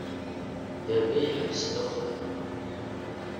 Baba yeḥbes ddexxan.